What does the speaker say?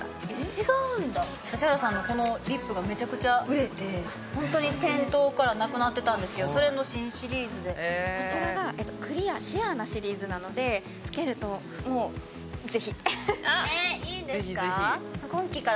違うんだ指原さんのこのリップがめちゃくちゃ売れてホントに店頭からなくなってたんですけどそれの新シリーズでへえこちらがクリアえっいいんですか？